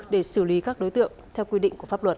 để xử lý các đối tượng theo quy định của pháp luật